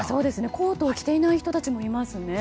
コートを着ていない人たちもいますね。